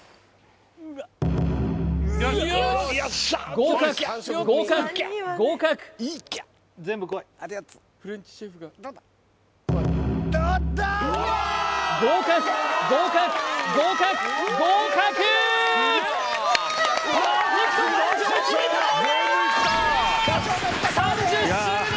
合格合格合格合格合格合格合格パーフェクト満場一致出たー３０周年